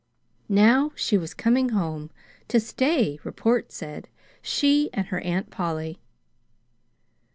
Now she was coming home to stay, report said; she and her Aunt Polly.